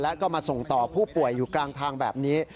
แล้วก็มาส่งต่อผู้ป่วยอยู่กลางทางแบบนี้